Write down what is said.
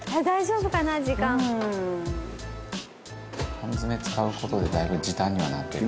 「缶詰使う事でだいぶ時短にはなってる」